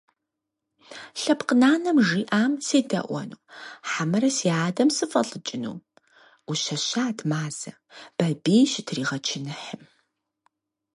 Лъэпкъ нанэм жиӀам седэӀуэну хьэмэрэ си адэм сыфӀэлӀыкӀыну?! – Ӏущэщат Мазэ, Бабий щытригъэчыныхьым.